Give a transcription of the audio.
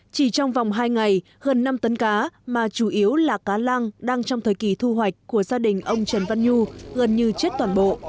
chỉ trong vòng hai ngày gần năm tấn cá mà chủ yếu là cá lang đang trong thời kỳ thu hoạch của gia đình ông trần văn nhu gần như chết toàn bộ